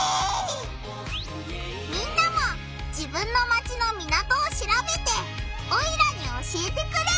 みんなも自分のマチの港をしらべてオイラに教えてくれ！